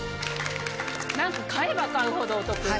なんと買えば買うほどお得。